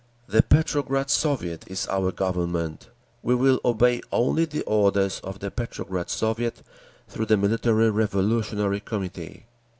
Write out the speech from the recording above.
The Petrograd Soviet is our Government. We will obey only the orders of the Petrograd Soviet, through the Military Revolutionary Committee."